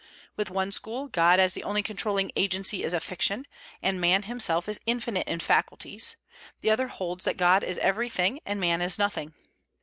With one school, God as the only controlling agency is a fiction, and man himself is infinite in faculties; the other holds that God is everything and man is nothing.